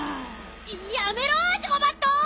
やめろジゴバット！